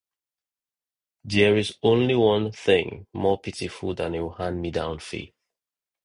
There is only one thing more pitiful than a hand-me-down faith.